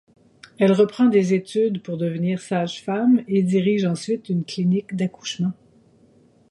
Elle reprend des études pour devenir sage-femme et dirige ensuite une clinique d'accouchement.